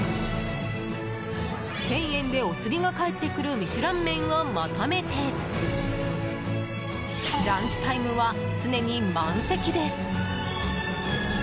１０００円でお釣りが返ってくるミシュラン麺を求めてランチタイムは常に満席です。